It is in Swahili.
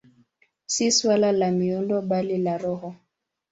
Si suala la miundo, bali la roho.